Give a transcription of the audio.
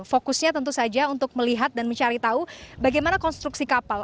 fokusnya tentu saja untuk melihat dan mencari tahu bagaimana konstruksi kapal